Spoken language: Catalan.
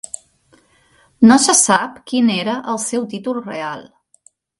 No se sap quin era el seu títol real.